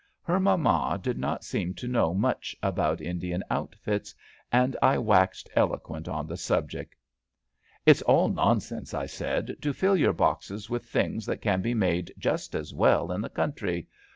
Her mamma did not seem to know much about Indian outfits, and I waxed elo quent on the subject. '* It's all nonsense/' I said, to fill your boxes with things that can be made just as well in the country.